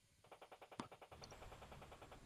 سیاسي زغم د اختلاف د حل کلتور رامنځته کوي